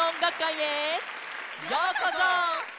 ようこそ！